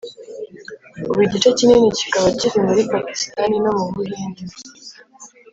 ubu igice kinini kikaba kiri muri pakisitani no mu buhindi.